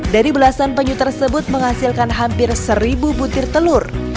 dari belasan penyu tersebut menghasilkan hampir seribu butir telur